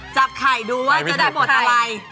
จับไข่ดูว่าจะได้บทอะไร